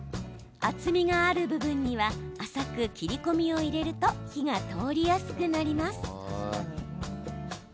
厚みがある部分には浅く切り込みを入れると火が通りやすくなります。